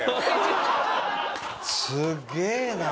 すげえな。